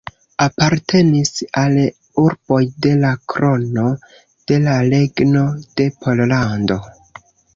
Apartenis al urboj de la Krono de la Regno de Pollando.